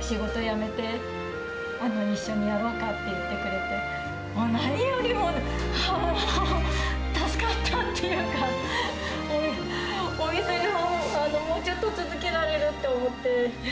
仕事辞めて、一緒にやろうかって言ってくれて、もう何よりも助かったっていうか、お店がもうちょっと続けられるって思って。